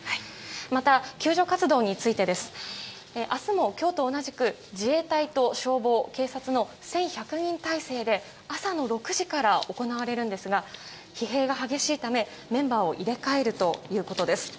また、救助活動についてです。明日も今日と同じく自衛隊と消防、警察の１１００人態勢で朝の６時から行われますが疲弊が激しいためメンバーを入れ替えるということです。